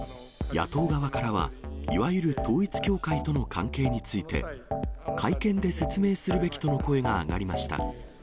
野党側からは、いわゆる統一教会との関係について、会見で説明するべきとの声が上がりました。